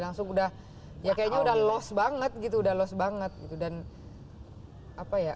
langsung udah ya kayaknya udah lost banget gitu udah lost banget gitu dan apa ya